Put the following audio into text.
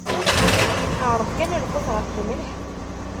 Ɛreḍ kan lqut ɣef lmelḥ?